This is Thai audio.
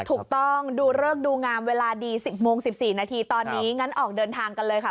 ถูกต้องดูเลิกดูงามเวลาดี๑๐โมง๑๔นาทีตอนนี้งั้นออกเดินทางกันเลยค่ะ